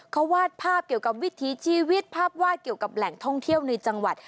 เขาวาดภาพเกี่ยวกับวิถีชีวิตภาพวาดเกี่ยวกับแหล่งท่องเที่ยวในจังหวัด